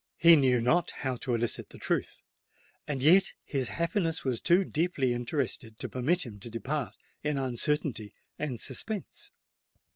He knew not how to elicit the truth; and yet his happiness was too deeply interested to permit him to depart in uncertainty and suspense.